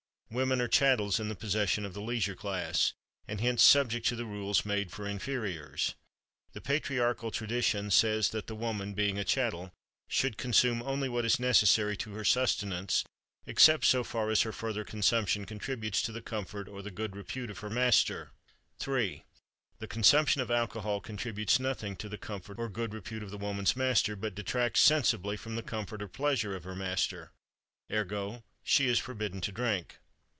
Women are chattels in the possession of the leisure class, and hence subject to the rules made for inferiors. "The patriarchal tradition ... says that the woman, being a chattel, should consume only what is necessary to her sustenance, except so far as her further consumption contributes to the comfort or the good repute of her master." 3. The consumption of alcohol contributes nothing to the comfort or good repute of the woman's master, but "detracts sensibly from the comfort or pleasure" of her master. Ergo, she is forbidden to drink.